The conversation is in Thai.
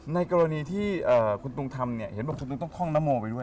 ในกรณีที่คุณตุงทำเนี่ยเห็นบอกคุณลุงต้องท่องนโมไปด้วย